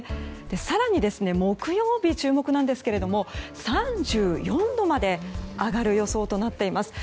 更に、木曜日に注目ですが３４度まで上がる予想となっています。